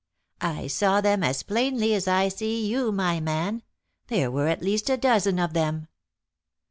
I saw them as plainly as I see you, my man; there were at least a dozen of them."